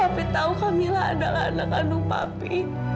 kalau papi tahu kamila adalah anak kandung papi